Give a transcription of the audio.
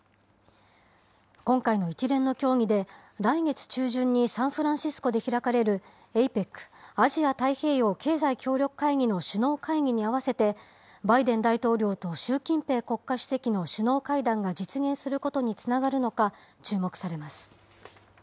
今回の一連の協議で、来月中旬にサンフランシスコで開かれるＡＰＥＣ・アジア太平洋経済協力会議の首脳会議に合わせて、バイデン大統領と習近平国家主席の首脳会談が実現することにつながるのか注目されます。